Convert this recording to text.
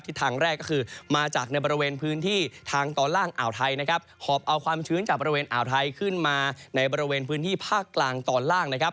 ทางแรกก็คือมาจากในบริเวณพื้นที่ทางตอนล่างอ่าวไทยนะครับหอบเอาความชื้นจากบริเวณอ่าวไทยขึ้นมาในบริเวณพื้นที่ภาคกลางตอนล่างนะครับ